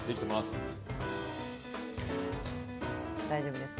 大丈夫ですか。